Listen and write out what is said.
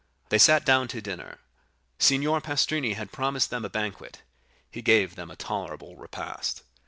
They sat down to dinner. Signor Pastrini had promised them a banquet; he gave them a tolerable repast.